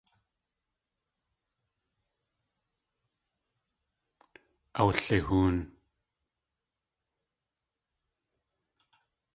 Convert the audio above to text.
Awlihoon.